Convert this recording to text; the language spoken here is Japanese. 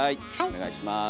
お願いします。